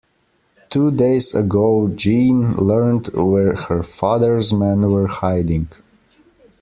Two days ago Jeanne learned where her father's men were hiding.